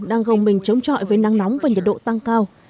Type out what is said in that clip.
đang gồng mình chống trọi với nắng nóng và nhiệt độ tăng cao